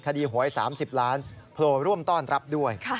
หวย๓๐ล้านโผล่ร่วมต้อนรับด้วย